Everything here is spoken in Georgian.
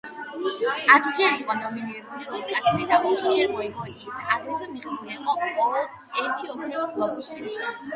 ათჯერ იყო ნომინირებული ოსკარზე და ოთხჯერ მოიგო ის, აგრეთვე მიღებული აქვს ერთი ოქროს გლობუსი.